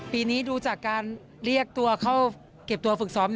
ปีนี้ดูจากการเรียกตัวเข้าเก็บตัวฝึกซ้อม